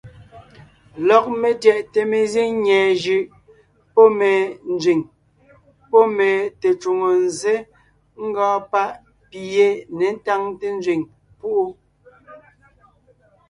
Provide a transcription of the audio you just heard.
Lɔg metyɛʼte mezíŋ nyɛ̀ɛ jʉʼ, pɔ́ me nzẅìŋ, pɔ́ me tecwòŋo nzsé ngɔɔn páʼ pi yé ně táŋte nzẅìŋ púʼu.